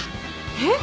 えっ！？